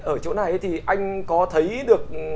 ở chỗ này thì anh có thấy được